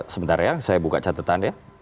sebentar ya saya buka catatan ya